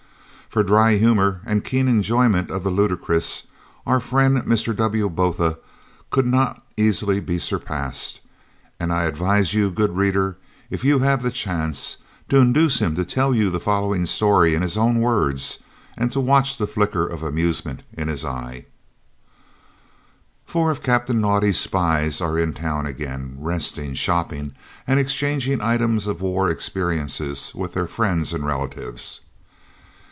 For dry humour and keen enjoyment of the ludicrous, our friend Mr. W. Botha could not easily be surpassed; and I advise you, good reader, if you have the chance, to induce him to tell you the following story in his own words, and to watch the flicker of amusement in his eye. Four of Captain Naudé's spies are in town again, resting, shopping, and exchanging items of war experiences with their friends and relatives.